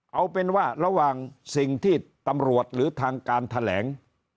เอาเป็นว่าระหว่างสิ่งที่ตำรวจหรือทางการแถลง